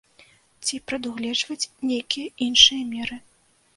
Ці прадугледжваць нейкія іншыя меры.